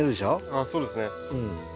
ああそうですね。